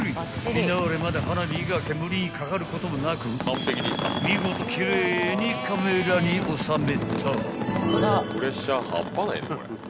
フィナーレまで花火が煙にかかることもなく見事奇麗にカメラに収めた］